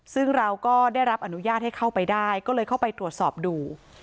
ซึ่งเราก็ได้รับอนุญาตให้เข้าไปได้ก็เลยเข้าไปตรวจสอบดู